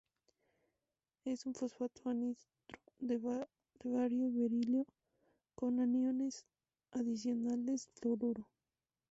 Es un fosfato anhidro de bario y berilio con aniones adicionales fluoruro.